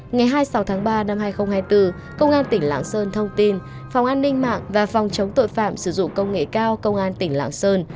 ngày hai mươi sáu tháng ba năm hai nghìn hai mươi bốn công an tỉnh lạng sơn thông tin phòng an ninh mạng và phòng chống tội phạm sử dụng công nghệ cao công an tỉnh lạng sơn